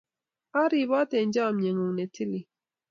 A ribot eng chamnyegung netilil